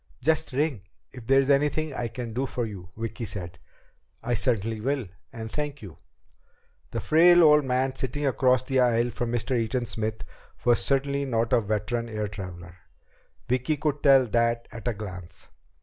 "Just ring if there's anything I can do for you," Vicki said. "I certainly will, and thank you." The frail old man sitting across the aisle from Mr. Eaton Smith was certainly not a veteran air traveler. Vicki could tell that at a glance.